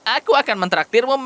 aku akan mengerjakan makananmu nanti